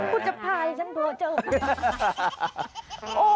คุณจับชายกับฉันโทรเจอะ